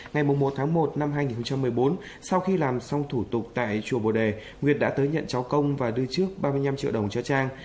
ngày một tháng một năm hai nghìn một mươi bốn sau khi làm xong thủ tục tại chùa bồ đề nguyệt đã tới nhận cháu công và đưa trước ba mươi năm triệu đồng cho trang